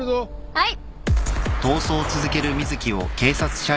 はい！